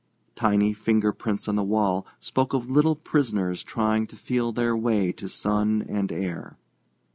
Tiny finger prints on the wall spoke of little prisoners trying to feel their way to sun and air.